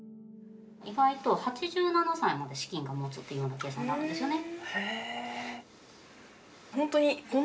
意外と８７歳まで資金が持つというような計算になるんですね。